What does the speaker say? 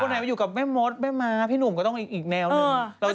ไหนมาอยู่กับแม่มดแม่ม้าพี่หนุ่มก็ต้องอีกแนวหนึ่ง